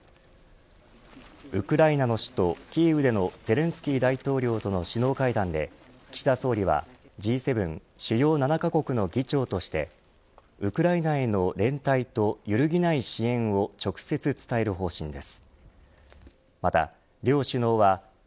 ウクライナの首都キーウでのゼレンスキー大統領との首脳会談で岸田総理はＧ７主要７カ国の議長としてウクライナへの連帯と揺るぎない支援を直接伝える方針です。